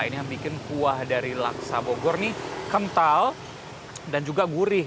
ini yang bikin kuah dari laksa bogor ini kental dan juga gurih